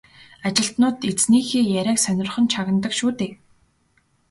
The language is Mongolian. Ажилтнууд эзнийхээ яриаг сонирхон чагнадаг шүү дээ.